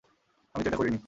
আমি তো এটা করিনি।